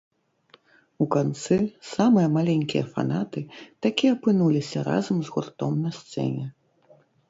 У канцы самыя маленькія фанаты такі апынуліся разам з гуртом на сцэне.